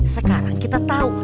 sekarang kita tahu